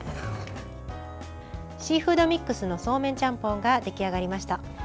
シーフードミックスのそうめんちゃんぽんが出来上がりました。